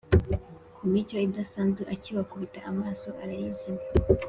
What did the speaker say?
kumicyo idasanzwe akibakubita amaso arayizimya.